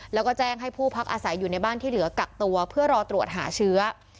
แล้วก็แจ้งให้ผู้พักอาศัยอยู่ในบ้านที่เหลือกักตัวเพื่อรอตรวจหาเชื้อ